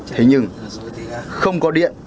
thế nhưng không có điện